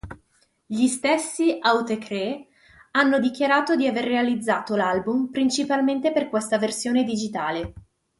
Gli stessi Autechre hanno dichiarato di aver realizzato l'album principalmente per questa versione digitale.